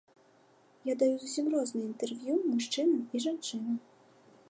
Я даю зусім розныя інтэрв'ю мужчынам і жанчынам.